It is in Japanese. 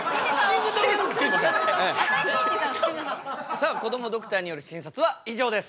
さあこどもドクターによる診察は以上です。